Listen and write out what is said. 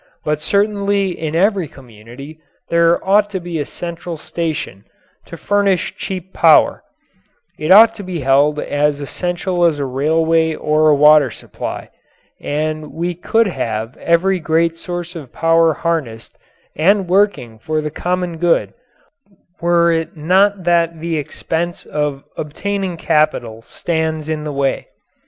But certainly in every community there ought to be a central station to furnish cheap power it ought to be held as essential as a railway or a water supply. And we could have every great source of power harnessed and working for the common good were it not that the expense of obtaining capital stands in the way.